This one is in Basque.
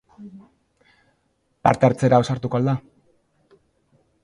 Parte hartzera ausartuko ahal da?